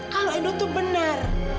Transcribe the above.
kalau edo itu benar